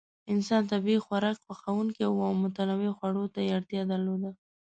انسان طبیعي خوراک خوښونکی و او متنوع خوړو ته یې اړتیا درلوده.